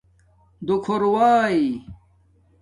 دُو کُھوئئ